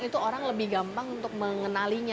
itu orang lebih gampang untuk mengenalinya